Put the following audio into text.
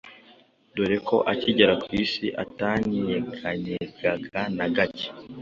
doreko akigera ku Isi atanyeganyegaga na gacye